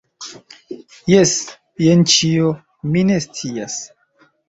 Jes. Jen ĉio. Mi ne scias!